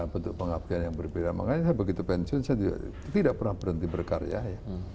bentuk pengabdian yang berbeda makanya saya begitu pensiun saya tidak pernah berhenti berkarya ya